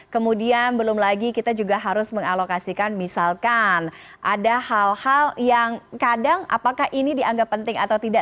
kemudian belum lagi kita juga harus mengalokasikan misalkan ada hal hal yang kadang apakah ini dianggap penting atau tidak